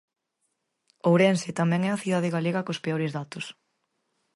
Ourense tamén é a cidade galega cos peores datos.